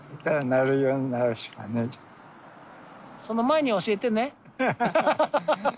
その前に教えてね。